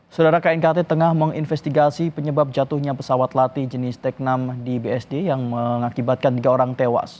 saudara knkt tengah menginvestigasi penyebab jatuhnya pesawat latih jenis tek enam di bsd yang mengakibatkan tiga orang tewas